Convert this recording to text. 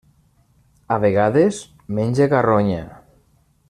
A vegades menja carronya.